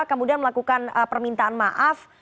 kemudian melakukan permintaan maaf